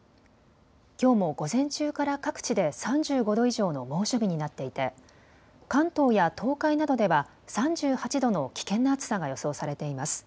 きょうも午前中から各地で３５度以上の猛暑日になっていて関東や東海などでは３８度の危険な暑さが予想されています。